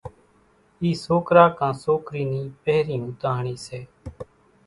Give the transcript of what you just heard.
اِي سوڪرا ڪان سوڪري ني پھرين ۿوتاۿڻي سي ۔